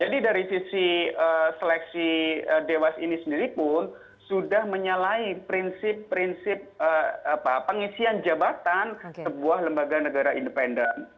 jadi dari sisi seleksi dewas ini sendiri pun sudah menyalahi prinsip prinsip pengisian jabatan sebuah lembaga negara independen